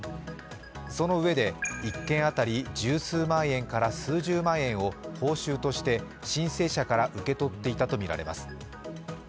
そのうえで１件当たり十数万円から数十万円を報酬として申請者から受け取っていたとみられます。